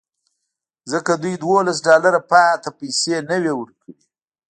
ځکه دوی دولس ډالره پاتې پیسې نه وې ورکړې